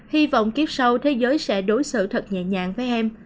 hy vọng kiếp sau thế giới sẽ đối xử thật nhẹ nhàng với em